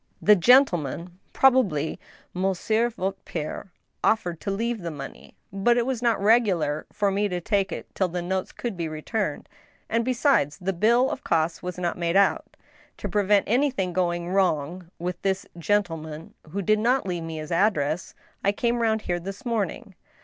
The gentleman, ... probably monsieur voire pkre of fered to leave the money ; but it was not regular for me to take it till the notes could be returned ; and, besides, the bill of costs was not made out. To prevent anything going wrong with this gentle man, who did not leave me his address, I came round here this morning.